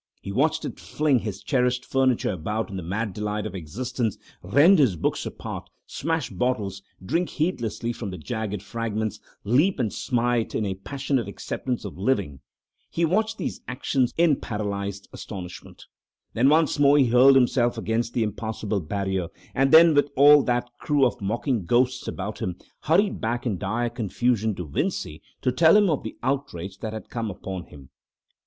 He watched it fling his cherished furniture about in the mad delight of existence, rend his books apart, smash bottles, drink heedlessly from the jagged fragments, leap and smite in a passionate acceptance of living. He watched these actions in paralysed astonishment. Then once more he hurled himself against the impassable barrier, and then with all that crew of mocking ghosts about him, hurried back in dire confusion to Vincey to tell him of the outrage that had come upon him.